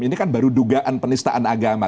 ini kan baru dugaan penistaan agama